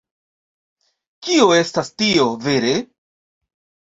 Kio estas tio, vere?